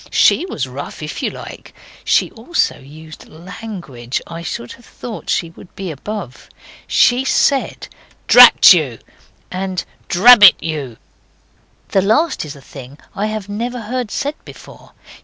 SHE was rough if you like. She also used language I should have thought she would be above. She said, Drat you!' and 'Drabbit you!' The last is a thing I have never heard said before.